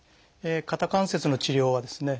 肩関節の治療はですね